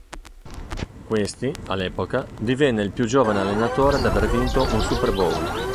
Questi, all'epoca, divenne il più giovane allenatore ad avere vinto un Super Bowl.